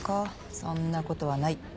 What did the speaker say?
そんなことはない。